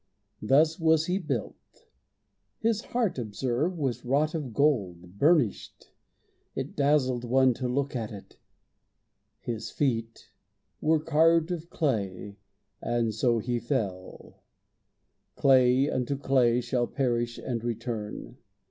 Thus was He built. His heart, observe, was wrought of gold, Burnished; it dazzled one to look at it. His feet were carved of clay and so he fell. Clay unto clay shall perish and return.